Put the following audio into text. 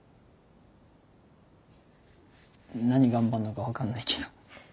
何頑張るのか分かんないけど。